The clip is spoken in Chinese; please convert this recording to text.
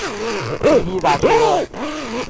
滴滴打车